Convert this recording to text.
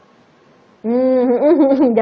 jangan lupa ya